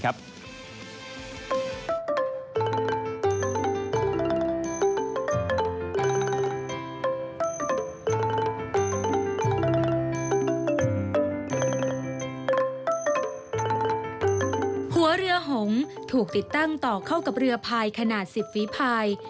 หัวเรือหงถูกติดตั้งต่อเข้ากับเรือพายขนาด๑๐ฝีภาย